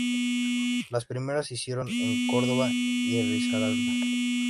Las primeras se hicieron en Córdoba y Risaralda.